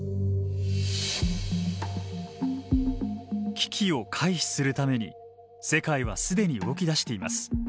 危機を回避するために世界は既に動きだしています。